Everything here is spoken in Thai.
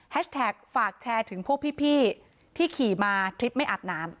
แท็กฝากแชร์ถึงพวกพี่ที่ขี่มาทริปไม่อาบน้ำ